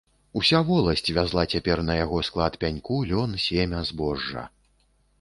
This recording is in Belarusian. Уся воласць вязла цяпер на яго склад пяньку, лён, семя, збожжа.